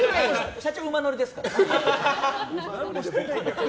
社長は馬乗りですから。